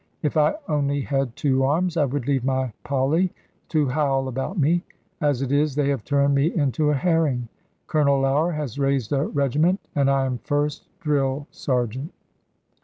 If I only had two arms, I would leave my Polly to howl about me. As it is, they have turned me into a herring! Colonel Lougher has raised a regiment, and I am first drill sergeant!